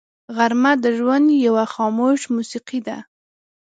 غرمه د ژوند یوه خاموش موسیقي ده